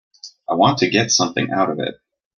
I want to get something out of it.